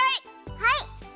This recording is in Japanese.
はい！